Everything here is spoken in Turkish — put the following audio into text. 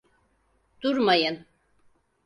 Durmayın!